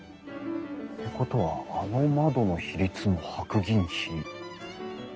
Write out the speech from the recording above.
ってことはあの窓の比率も白銀比。